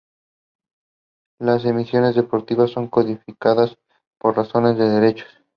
Las emisiones deportivas son codificadas por razones de derechos.